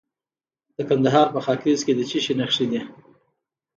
د کندهار په خاکریز کې د څه شي نښې دي؟